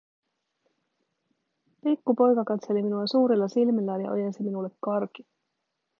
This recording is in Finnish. Pikku poika katseli minua suurilla silmillään ja ojensi minulle karkin.